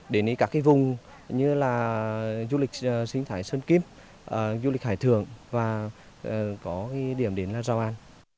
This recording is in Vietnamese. đến các cái vùng như là du lịch sinh thái sơn kim du lịch hải thường và có điểm đến là giao an